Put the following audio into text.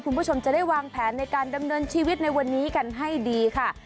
คุณผู้ชมจะได้วางแผนในการดำเนินชีวิตในวันนี้กันให้ดีค่ะ